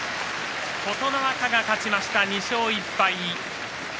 琴ノ若が勝ちました、２勝１敗。